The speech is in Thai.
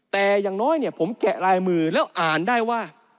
แต่อย่างน้อยเนี่ยผมแกะลายมือแล้วอ่านได้ว่า